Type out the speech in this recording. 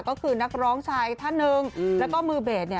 ก็คือนักร้องชายท่านหนึ่งแล้วก็มือเบสเนี่ย